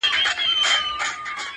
درومم چي له ښاره روانـــــېـــږمــــه.